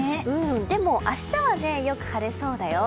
でも、明日はよく晴れそうだよ。